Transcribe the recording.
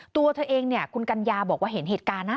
ตัวเธอเองเนี่ยคุณกัญญาบอกว่าเห็นเหตุการณ์นะ